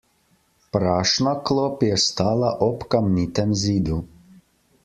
Prašna klop je stala ob kamnitem zidu.